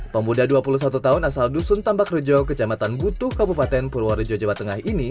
pemuda dua puluh satu tahun asal dusun tambak rejo kecamatan butuh kabupaten purworejo jawa tengah ini